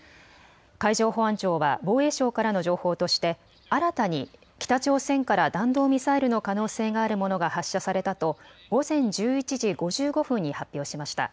海上保安庁は防衛省からの情報として新たに北朝鮮から弾道ミサイルの可能性があるものが発射されたと午前１１時５５分に発表しました。